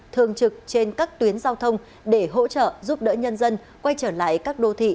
thường trực trên các tuyến giao thông để hỗ trợ giúp đỡ nhân dân quay trở lại các đô thị